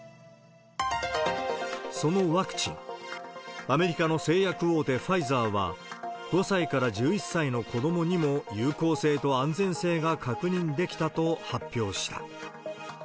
そのワクチン、アメリカの製薬大手、ファイザーは、５歳から１１歳の子どもにも有効性と安全性が確認できたと発表した。